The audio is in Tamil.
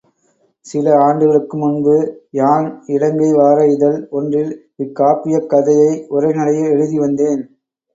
சில ஆண்டுகளுக்கு முன்பு யான் இலங்கை வார இதழ் ஒன்றில் இக்காப்பியக் கதையை உரைநடையில் எழுதி வந்தேன்.